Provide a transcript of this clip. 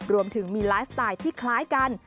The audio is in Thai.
รวมถึงมีไลฟ์สไตล์ที่คล้ายกัน